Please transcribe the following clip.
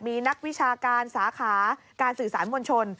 มีนักวิชาการสาขาการสื่อสารมวลชน